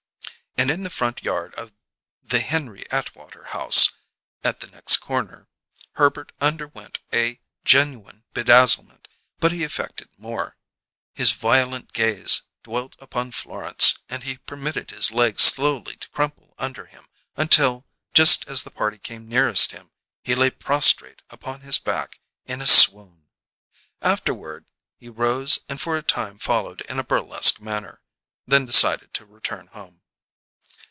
And in the front yard of "the Henry Atwater house," at the next corner, Herbert underwent a genuine bedazzlement, but he affected more. His violent gaze dwelt upon Florence, and he permitted his legs slowly to crumple under him, until, just as the party came nearest him, he lay prostrate upon his back in a swoon. Afterward he rose and for a time followed in a burlesque manner; then decided to return home.